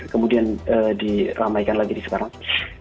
kemudian diramaikan lagi sekarang